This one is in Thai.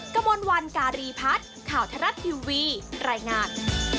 กระมวลวันการีพัฒน์ข่าวทรัฐทีวีรายงาน